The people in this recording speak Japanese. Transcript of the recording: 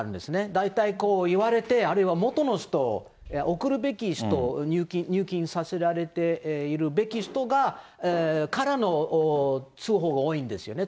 大体言われて、あるいは元の人、送るべき人、入金させられているべき人からの通報が多いんですよね。